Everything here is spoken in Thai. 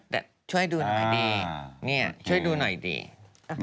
แต่ช่วยดูหน่อยดีเนี่ยช่วยดูหน่อยดี